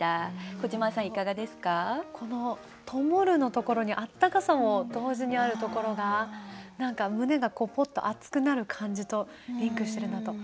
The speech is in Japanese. この「灯る」のところに温かさも同時にあるところが何か胸がポッと熱くなる感じとリンクしてるなと。